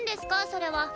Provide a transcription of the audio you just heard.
それは。